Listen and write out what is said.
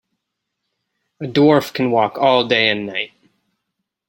A Dwarf can walk all day and night.